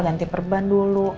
ganti perban dulu